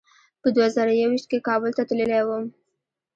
په دوه زره یو ویشت کې کابل ته تللی وم.